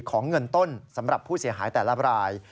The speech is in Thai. เงินต้นสำหรับผู้เสียหายแต่ละราย